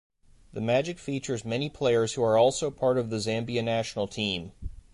The Magic features many players who are also part of the Zambia national team.